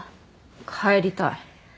帰りたい。